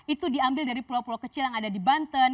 itu diambil dari pulau pulau kecil yang ada di banten